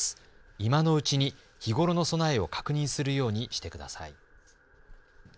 今のうちに日頃の備えを確認するようにしてください。